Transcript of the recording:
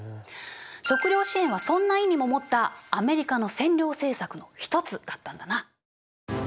食糧支援はそんな意味も持ったアメリカの占領政策の一つだったんだな。